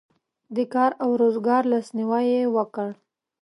د کار او روزګار لاسنیوی یې وکړ.